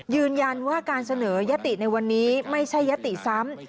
ยืนยันว่าการเสนอยติในวันนี้ไม่ใช่ยติซ้ำ